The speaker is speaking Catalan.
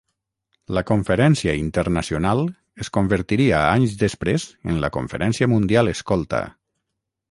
La Conferència Internacional es convertiria anys després en la Conferència Mundial Escolta.